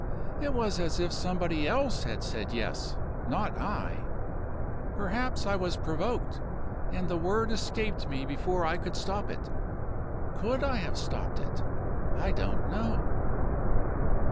It was as if somebody else had said Yes not I. Perhaps I was provoked, and the word escaped me before I could stop it. Could I have stopped it? I don't know.